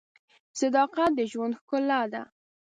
صداقت د ژوند ښکلا ده.